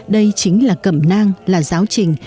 đây chính là cẩm nang là giáo trình